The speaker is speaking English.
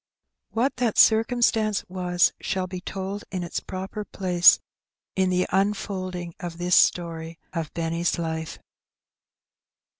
What that circumstance was shall be told in its proper place in the unfolding of this story of Benny's life.